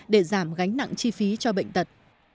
để giảm gánh nặng chi phí cho bệnh tật